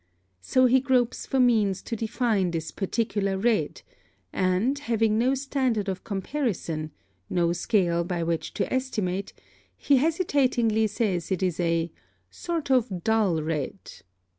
So he gropes for means to define this particular red; and, having no standard of comparison, no scale by which to estimate, he hesitatingly says it is a "sort of dull red."